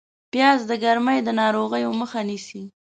پیاز د ګرمۍ د ناروغیو مخه نیسي